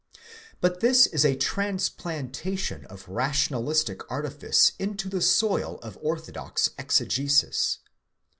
'4 But this isa transplantation of rationalistic artifice into the soil of orthodox exegesis.